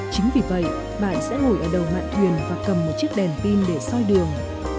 chính vì vậy bạn sẽ ngồi ở đầu mạng thuyền và cầm một chiếc đèn pin để soi đường